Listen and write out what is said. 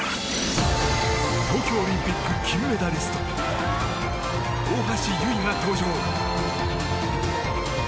東京オリンピック金メダリスト大橋悠依が登場。